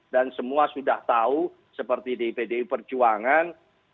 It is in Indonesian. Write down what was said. dan semua sudah tahu seperti di pdi perjuangan